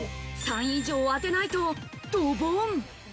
３位以上を当てないとドボン。